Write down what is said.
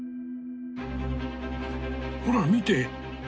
ほら見て。